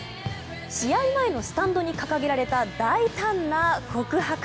試合前のスタンドに掲げられた大胆な告白。